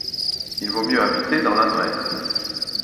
Il vaut mieux habiter dans l'adret.